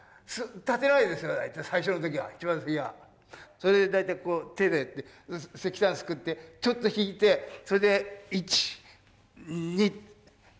それで大体手で石炭すくってちょっと引いてそれで１２３とか４とか。